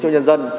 cho nhân dân